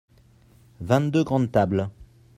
vingt deux grandes tables.